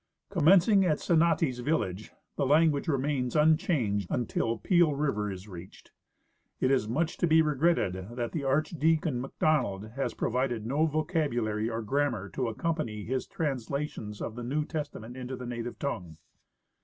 Commencing at Senati's village, the language remains unchanged until Peel river is reached. It is much to be regretted that Archdeacon McDonald has provided no vocabu lary or grammar to accompany his translations of the New Tes tament into the native tongue.